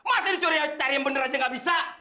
masa dicurian cari yang bener aja nggak bisa